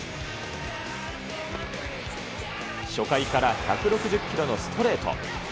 初回から１６０キロのストレート。